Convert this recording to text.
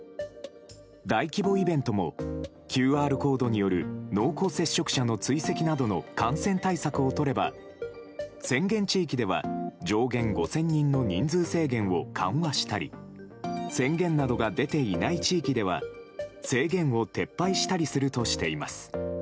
大規模イベントもＱＲコードによる濃厚接触者の追跡などの感染対策をとれば宣言地域では上限５０００人の人数制限を緩和したり宣言などが出ていない地域では制限を撤廃したりするとしています。